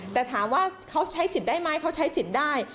แต่ถามว่าเขาใช้สิทธิ์ได้ไหมเขาใช้สิทธิ์ได้